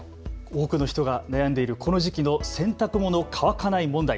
多くの人が悩んでいるこの時期の洗濯物乾かない問題。